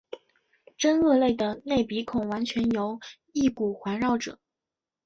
真鳄类的内鼻孔完全由翼骨环绕者。